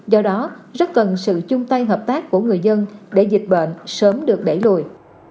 do đó rất cần sự chung tay hợp tác của người dân để dịch bệnh sớm được đẩy lùi